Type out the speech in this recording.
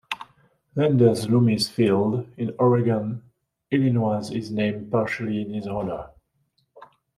Landers-Loomis Field in Oregon, Illinois is named partially in his honor.